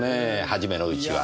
初めのうちは。